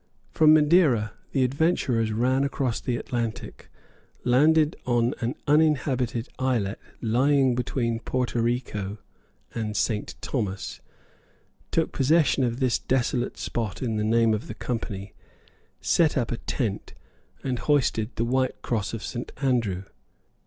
From Madeira the adventurers ran across the Atlantic, landed on an uninhabited islet lying between Porto Rico and St. Thomas, took possession of this desolate spot in the name of the Company, set up a tent, and hoisted the white cross of St. Andrew.